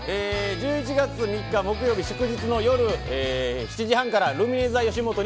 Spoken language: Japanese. １１月３日木曜日祝日の夜７時半からルミネｔｈｅよしもと